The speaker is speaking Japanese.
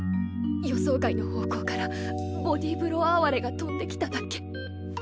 予想外の方向からボディーブローあはれが飛んできただけ。